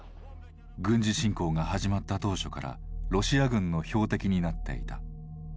軍事侵攻が始まった当初からロシア軍の標的になっていた。